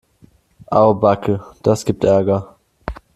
Au backe, das gibt Ärger.